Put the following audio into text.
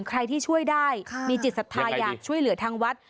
ใครที่ช่วยได้มีจิตศรัทธาอยากช่วยเหลือทางวัด